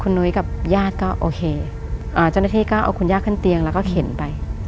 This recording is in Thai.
นุ้ยกับญาติก็โอเคเจ้าหน้าที่ก็เอาคุณย่าขึ้นเตียงแล้วก็เข็นไป